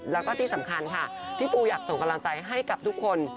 แล้วก็ที่สำคัญค่ะพี่ปูอยากส่งกำลังใจให้กับทุกคน